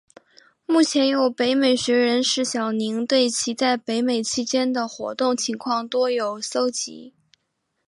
目前有北美学人石晓宁对其在北美期间的活动情况多有搜辑。